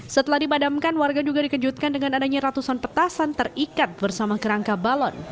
setelah dipadamkan warga juga dikejutkan dengan adanya ratusan petasan terikat bersama kerangka balon